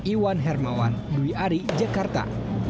iwan hermawan dwi ari jakarta